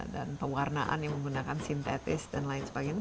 dan pewarnaan yang menggunakan sintetis dan lain sebagainya